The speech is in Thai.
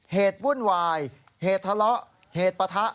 วุ่นวายเหตุทะเลาะเหตุปะทะ